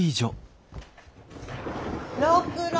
六郎！